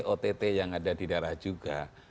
ott yang ada di daerah juga